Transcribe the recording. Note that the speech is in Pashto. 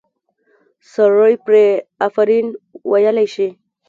سړی پرې آفرین ویلی شي.